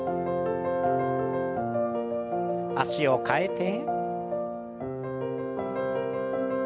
脚を替えて。